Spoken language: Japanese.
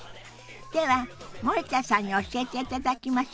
では森田さんに教えていただきましょ。